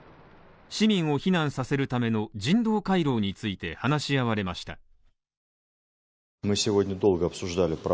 市民を避難させるための人道回廊について話し合われました。